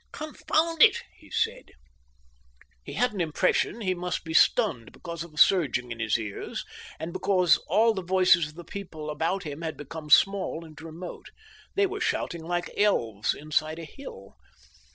"Confound it!" he said. He had an impression he must be stunned because of a surging in his ears, and because all the voices of the people about him had become small and remote. They were shouting like elves inside a hill.